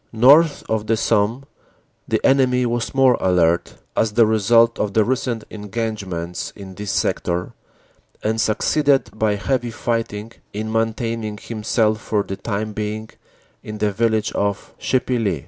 North of the Somme the enemy was more alert, as the result of the recent engagements in this sector, and succeeded by heavy fighting in maintaining himself for the time being in the vil lage of Chipilly.